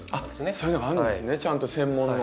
そういうのがあるんですねちゃんと専門の。